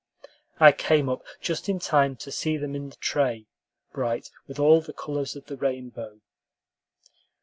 I came up just in time to see them in the tray, bright with all the colors of the rainbow.